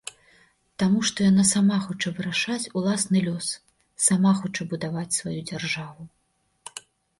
Таму што яна сама хоча вырашаць уласны лёс, сама хоча будаваць сваю дзяржаву.